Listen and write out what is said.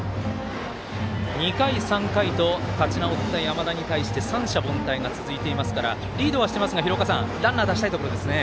２回、３回と立ち直った山田に対して三者凡退が続いていますからリードはしていますがランナーは出したいところですね。